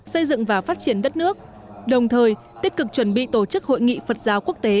xây dựng và phát triển đất nước đồng thời tích cực chuẩn bị tổ chức hội nghị phật giáo quốc tế